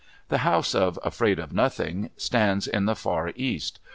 The house of Afraid of Nothing stands in the far east.